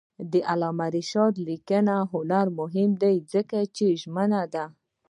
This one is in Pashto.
د علامه رشاد لیکنی هنر مهم دی ځکه چې ژمن دی.